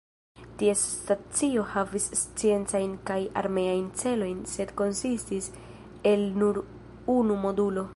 Ties stacioj havis sciencajn kaj armeajn celojn sed konsistis el nur unu modulo.